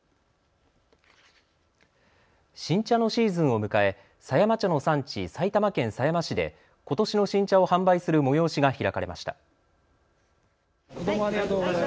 新茶のシーズンを迎え狭山茶の産地、埼玉県狭山市でことしの新茶を販売する催しが開かれました。